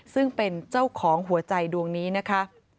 ซึ่งเป็นเจ้าของหัวใจดวงนี้นะคะ